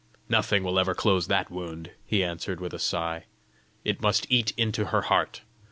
"Nothing will ever close that wound," he answered, with a sigh. "It must eat into her heart!